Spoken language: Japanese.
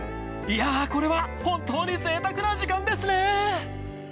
いやこれは本当にぜいたくな時間ですね